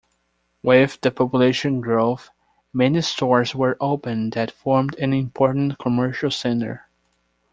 With the population growth, many stores were opened that formed an important commercial centre.